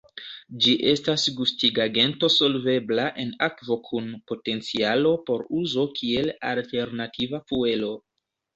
Ĝi estas gustigagento solvebla en akvo kun potencialo por uzo kiel alternativa fuelo.